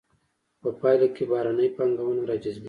په پایله کې بهرنۍ پانګونه را جذبیږي.